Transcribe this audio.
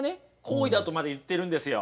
行為だとまで言ってるんですよ。